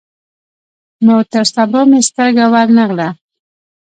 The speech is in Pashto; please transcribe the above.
نو تر سبا مې سترګه ور نه غله.